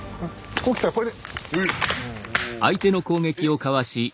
こうきたらこれで。